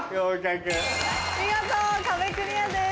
見事壁クリアです。